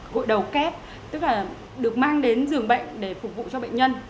gội đầu kép tức là được mang đến giường bệnh để phục vụ cho bệnh nhân